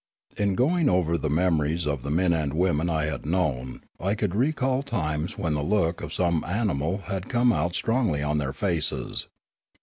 In going over the memories of the nien and women I had known I could recall times when the look of some animal had come out strongly on their faces.